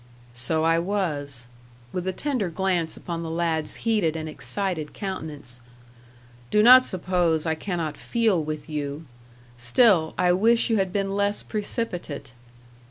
"So I was;" with a tender glance upon the lad's heated and excited countenance. "Do not suppose I cannot feel with you. Still, I wish you had been less precipitate."